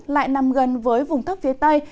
lại nằm gần với vùng thấp phía tây